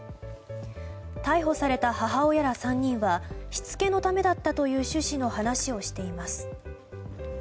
逮捕された母親ら３人はしつけのためだったという趣旨の話をしています。